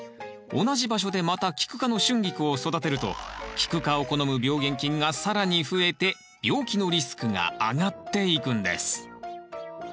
同じ場所でまたキク科のシュンギクを育てるとキク科を好む病原菌が更にふえて病気のリスクが上がっていくんです。